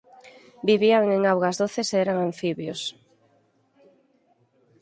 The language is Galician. Vivían en augas doces e eran anfibios.